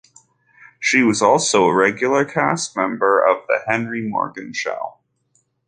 She was also a regular cast member of "The Henry Morgan Show".